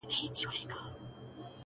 o د خبرو څخه خبري جوړېږي.